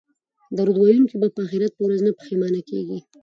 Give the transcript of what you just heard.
درود ویونکی به د اخرت په ورځ نه پښیمانه کیږي